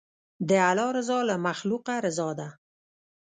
د الله رضا له مخلوقه رضا ده.